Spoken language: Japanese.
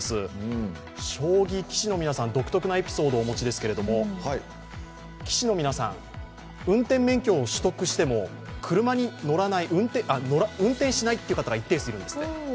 将棋、棋士の皆さん独特のエピソードをお持ちですが棋士の皆さん、運転免許を取得しても運転しないって方が一定数いるんですって。